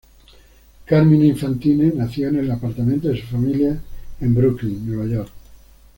Carmine Infantino nació en el apartamento de su familia en Brooklyn, Nueva York.